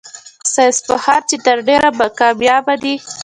ساينس پوهان چي تر ډېره کاميابه دي